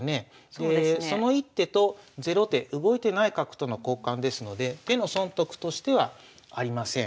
その１手と０手動いてない角との交換ですので手の損得としてはありません。